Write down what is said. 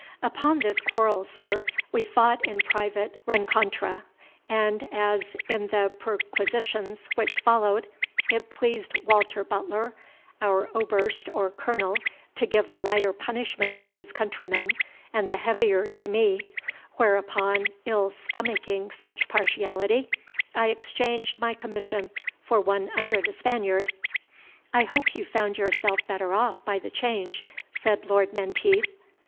Upon this quarrel, sir, we fought in private rencontre; and as, in the perquisitions which followed, it pleased Walter Butler, our oberst, or colonel, to give the lighter punishment to his countryman, and the heavier to me, whereupon, ill stomaching such partiality, I exchanged my commission for one under the Spaniard." "I hope you found yourself better off by the change?" said Lord Menteith.